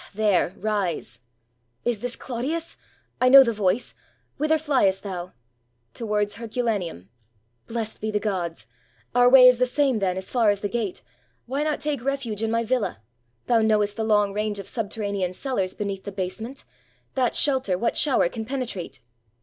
"There — rise!" "Is this Clodius? I know the voice! Whither fliest thou?" "Towards Herculaneum." "Blessed be the gods ! our way is the same, then, as far as the gate. Why not take refuge in my villa? Thou knowest the long range of subterranean cellars beneath the basement, — that shelter, what shower can pene trate?"